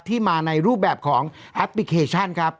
ที่มาในรูปแบบของแอปพลิเคชันครับ